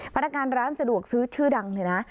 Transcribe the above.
พนักงานร้านสะดวกซื้อชื่อดังเลยนะ